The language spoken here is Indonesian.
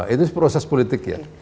itu proses politik ya